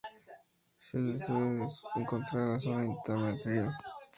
Se les suele encontrar en la zona intermareal.